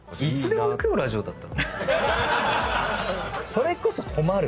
それこそ困る。